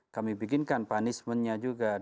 kami bikinkan punishmentnya juga